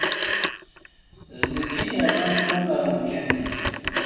D nekk i yerran Tom ar umkan-is.